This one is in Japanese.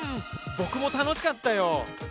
ぼくもたのしかったよ。